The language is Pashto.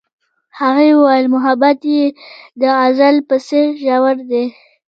هغې وویل محبت یې د غزل په څېر ژور دی.